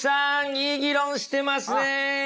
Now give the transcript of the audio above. いい議論してますね！